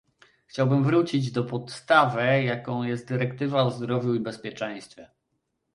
Chciałbym wrócić do podstawy, jaką jest dyrektywa o zdrowiu i bezpieczeństwie